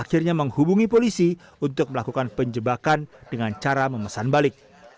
akhirnya menghubungi polisi untuk melakukan penjebakan dengan cara memesan balik